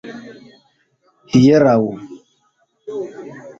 hieraŭ